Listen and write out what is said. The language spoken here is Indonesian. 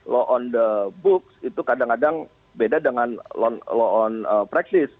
law on the books itu kadang kadang beda dengan law on practices